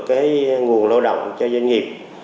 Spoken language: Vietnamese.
cái nguồn lao động cho doanh nghiệp